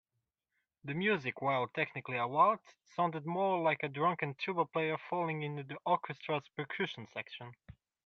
The music, while technically a waltz, sounded more like a drunken tuba player falling into the orchestra's percussion section.